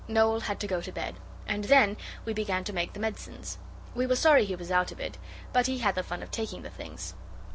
Noel had to go to bed, and then we began to make the medicines; we were sorry he was out of it, but he had the fun of taking the things.